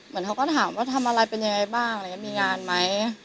เหมือนเขาก็ถามว่าทำอะไรเป็นยังไงบ้างมีงานไหม